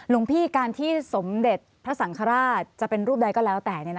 หลวงพี่การที่สมเด็จพระสังฆราชจะเป็นรูปใดก็แล้วแต่